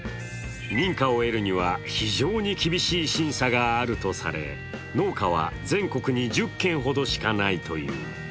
認可を得るには非常に厳しい審査があるとされ農家は全国に１０軒ほどしかないという。